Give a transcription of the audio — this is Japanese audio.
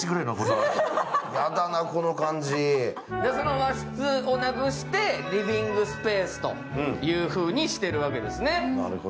和室をなくしてリビングスペースというふうにしているわけですね。